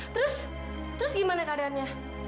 terus terus gimana keadaannya